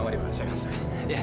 mari pak silahkan